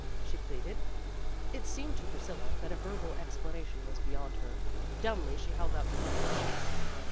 she pleaded. It seemed to Priscilla that a verbal explana tion was beyond her. Dumbly she held out the crumpled sheet.